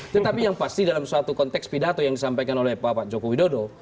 tetapi yang pasti dalam suatu konteks pidato yang disampaikan oleh pak joko widodo